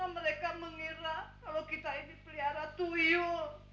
mereka akan mengira kita ini pelihara tuyul